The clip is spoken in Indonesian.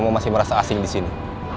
kamu masih merasa asing di sini